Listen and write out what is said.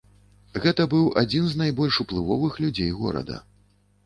Гэта быў адзін з найбольш уплывовых людзей горада.